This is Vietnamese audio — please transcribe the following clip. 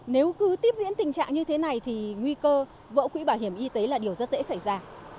nếu cứ tiếp diễn tình trạng như thế này thì nguy cơ vỡ quỹ bảo hiểm y tế là điều rất dễ xảy ra